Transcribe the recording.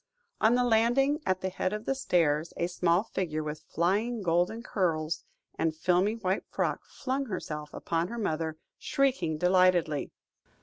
On the landing at the head of the stairs a small figure with flying golden curls, and filmy white frock, flung herself upon her mother, shrieking delightedly.